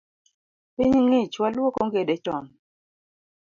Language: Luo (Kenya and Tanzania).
Piny ng’ich, waluok ongede chon